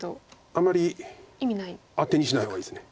あまりあてにしない方がいいです。